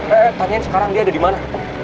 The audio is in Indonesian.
eh tanyain sekarang dia ada dimana